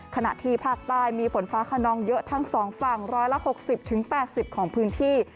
ขณะที่ภาคใต้มีฝนฟ้าขนองเยอะทั้ง๒ฝั่ง๑๖๐๘๐ของพื้นที่